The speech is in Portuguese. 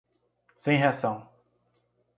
Sem reação